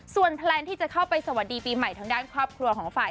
แพลนที่จะเข้าไปสวัสดีปีใหม่ทางด้านครอบครัวของฝ่าย